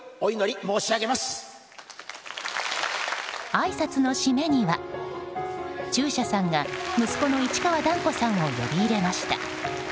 あいさつの締めには中車さんが息子の市川團子さんを呼び入れました。